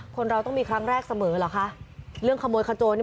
คนเราต้องมีครั้งแรกเสมอเหรอคะเรื่องขโมยขโจรนี่